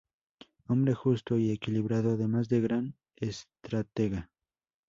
Hombre justo y equilibrado, además de gran estratega.